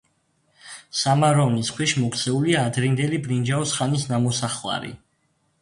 სამაროვნის ქვეშ მოქცეულია ადრინდელი ბრინჯაოს ხანის ნამოსახლარი.